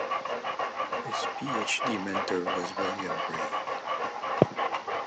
His Ph.D mentor was William Bray.